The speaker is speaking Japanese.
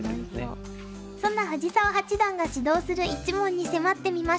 そんな藤澤八段が指導する一門に迫ってみました。